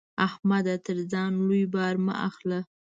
احمده! تر ځان لوی بار مه اخله.